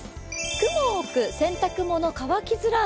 雲多く、洗濯物乾きづらい。